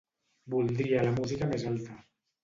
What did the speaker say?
Voldria la música més alta.